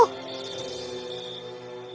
dan aku tidak membutuhkanmu